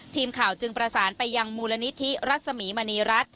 ทีมข่าวจึงประสานไปยังมูลนิธิรัศมีมณีรัฐ